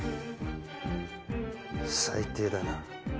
最低だな。